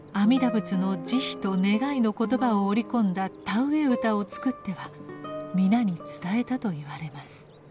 仏の慈悲と願いの言葉を織り込んだ田植え歌を作っては皆に伝えたといわれます。